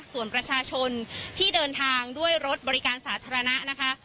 ส่วนประชาชนที่เดินทางด้วยรถบริการสาธารณะนะคะ